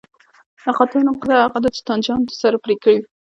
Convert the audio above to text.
د تقاطع نقطه هغه ده چې تانجانتونه سره پرې کوي